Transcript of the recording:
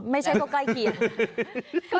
ไม่ใช่ก็ใกล้เกียรติ